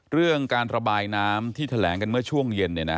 เรื่องการระบายน้ำที่แถลงกันเมื่อช่วงเย็น